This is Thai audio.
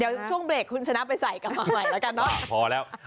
เดี๋ยวช่วงเบรกคุณชนะไปใส่กลับมาใหม่แล้วกันเนอะพอแล้ว